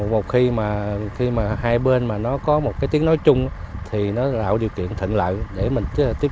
một khi mà hai bên mà nó có một cái tiếng nói chung thì nó là điều kiện thịnh lại để mình tiếp